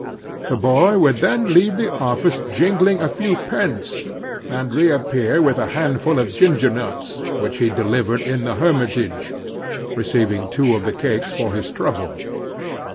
The boy would then leave the office jingling a few pence, and reappear with a handful of ginger nuts which he delivered in the hermitage, receiving two of the cakes for his trouble.